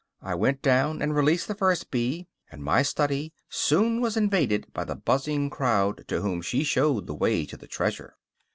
I went down and released the first bee, and my study soon was invaded by the buzzing crowd to whom she showed the way to the treasure.